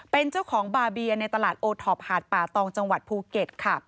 เป็นเจ้าของบาเบียในตลาดโอท็อปหาดป่าตองจังหวัดภูเก็ตค่ะ